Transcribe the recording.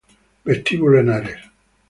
Vestíbulo Henares